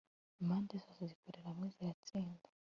impande zose zikorera hamwe ziratsinda